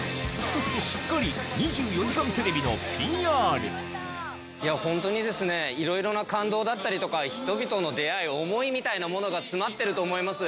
そしてホントにですねいろいろな感動だったりとか人々の出会い思いみたいなものが詰まってると思います。